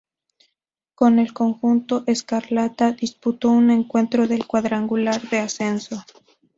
Con el conjunto ‘Escarlata’ disputó un encuentro del cuadrangular de ascenso.